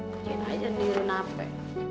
begini aja diri nape